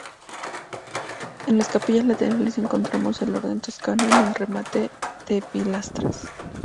En las capillas laterales encontramos el orden toscano en el remate de pilastras.